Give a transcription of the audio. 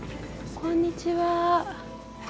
こんにちは。